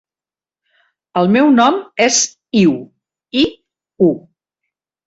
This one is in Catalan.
El meu nom és Iu: i, u.